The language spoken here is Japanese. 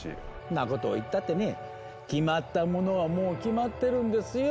んなこと言ったってね決まったものはもう決まってるんですよ！